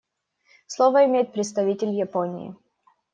Слово имеет представитель Японии.